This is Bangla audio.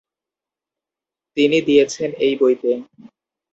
তিনি দিয়েছেন এই বইতে।